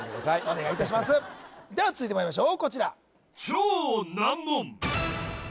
お願いいたしますでは続いてまいりましょうこちら